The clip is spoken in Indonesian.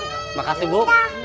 terima kasih bu